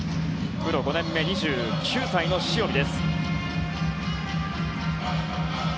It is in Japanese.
プロ５年目、２９歳の塩見。